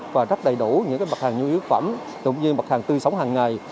và đắt đầy đủ những mặt hàng nhu yếu phẩm đúng như mặt hàng tư sống hàng ngày